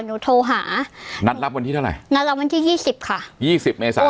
โทรหานัดรับวันที่เท่าไหร่นัดรับวันที่ยี่สิบค่ะยี่สิบเมษา